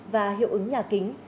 và hiệu ứng nhà kính